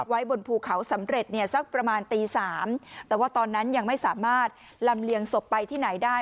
ไว้บนภูเขาสำเร็จเนี่ยสักประมาณตีสามแต่ว่าตอนนั้นยังไม่สามารถลำเลียงศพไปที่ไหนได้